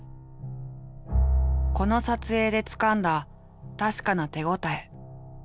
この撮影でつかんだ確かな手応え。